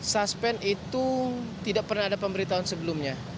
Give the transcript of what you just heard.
suspend itu tidak pernah ada pemberitahuan sebelumnya